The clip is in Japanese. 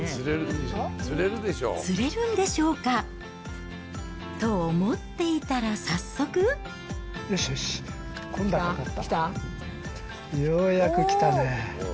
釣れるんでしょうか。と思っていたら、早速。来た？